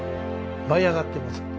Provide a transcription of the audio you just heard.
舞い上がってます。